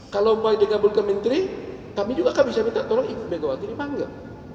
kalau dia minta menteri kami juga bisa minta tolong ibu megawati dipanggil